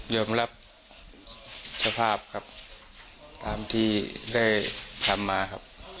ยอมรับสภาพครับตามที่ได้ทำมาครับ